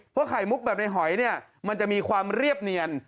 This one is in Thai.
เพราะไข่มุกแบบในหอยเนี่ยมันจะมีความเรียบเนียน